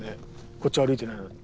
こっち歩いてない。